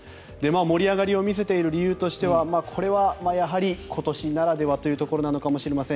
盛り上がりを見せている理由としてはこれはやはり今年ならではというところなのかもしれません。